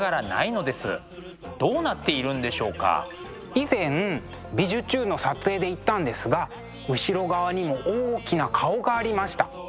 以前「びじゅチューン！」の撮影で行ったんですが後ろ側にも大きな顔がありました。